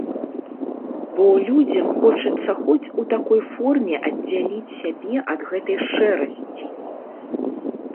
Бо людзям хочацца хоць у такой форме аддзяліць сябе ад гэтай шэрасці.